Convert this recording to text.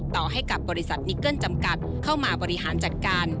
ต่อให้กับบริษัทนิเกิ้ลจำกัดเข้ามาบริหารจัดการ